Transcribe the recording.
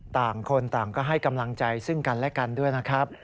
ต่างคนต่างก็ให้กำลังใจซึ่งกันและกันด้วยนะครับ